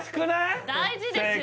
正解大事ですよ